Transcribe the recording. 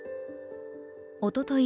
おととい